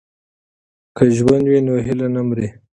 که ژوند وي نو هیله نه مري.